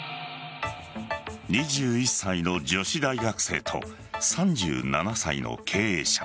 ２１歳の女子大学生と３７歳の経営者。